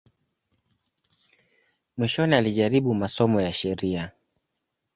Mwishoni alijaribu masomo ya sheria.